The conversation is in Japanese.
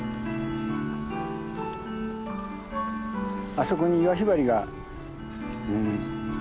あそこにイワヒバリが。